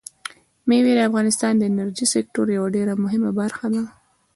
مېوې د افغانستان د انرژۍ سکتور یوه ډېره مهمه برخه ده.